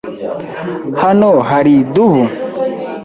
Hano hari idubu?